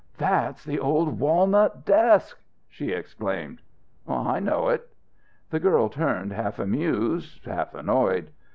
"That's the old walnut desk! she exclaimed. "I know it." The girl turned, half amused, half annoyed.